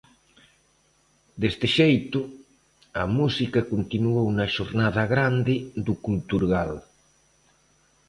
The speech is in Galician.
Deste xeito, a música continuou na xornada grande do Culturgal.